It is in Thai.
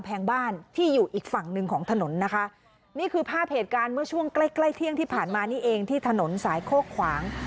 ภาพเหตุการณ์เมื่อช่วงใกล้เที่ยงที่ผ่านมานี่เองที่ถนนสายโค้งขวาง